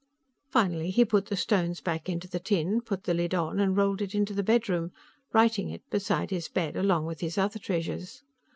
Finally, he put the stones back into the tin, put the lid on and rolled it into the bedroom, righting it beside his bed along with his other treasures.